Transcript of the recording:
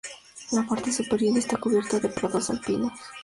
La parte superior está cubierta de prados alpinos.